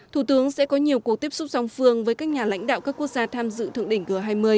thủ tướng sẽ có nhiều cuộc tiếp xúc song phương với các nhà lãnh đạo các quốc gia tham dự thượng đỉnh g hai mươi